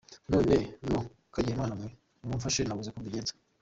None mwo kagirimana mwe nimumfashe nabuze uko mbigenza.